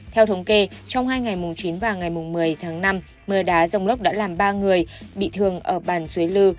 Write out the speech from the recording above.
theo thống kê trong hai ngày chín và ngày một mươi tháng năm mưa đá rông lốc đã làm ba người bị thương ở bàn suối lư